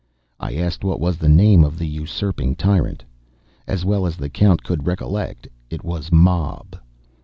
I asked what was the name of the usurping tyrant. As well as the Count could recollect, it was Mob.